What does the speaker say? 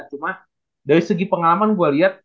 cuma dari segi pengalaman gua lihat